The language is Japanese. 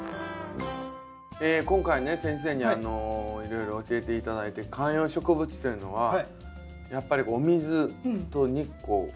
今回ね先生にいろいろ教えて頂いて観葉植物というのはやっぱりお水と日光。